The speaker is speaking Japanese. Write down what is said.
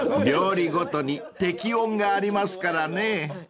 ［料理ごとに適温がありますからね］